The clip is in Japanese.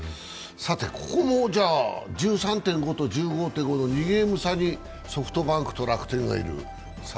ここも１３．５と１５．５の２ゲーム差にソフトバンクなどがいる。